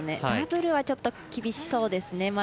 ダブルはちょっと厳しそうですね。